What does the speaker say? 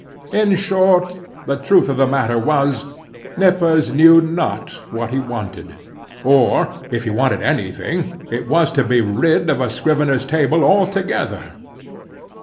In short, the truth of the matter was, Nippers knew not what he wanted. Or, if he wanted any thing, it was to be rid of a scrivener's table altogether.